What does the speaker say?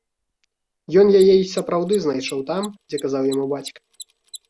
Ён яе і сапраўды знайшоў, там, дзе казаў яму бацька.